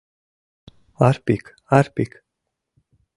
Арпик, Арпик!